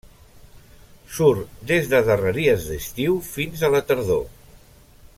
Surt des de darreries d'estiu fins a la tardor.